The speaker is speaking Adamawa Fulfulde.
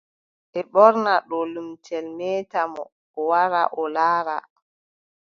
Ɓe ɓorna oo limce, meeta mo, o wara o laara.